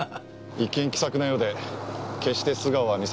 一見気さくなようで決して素顔は見せない。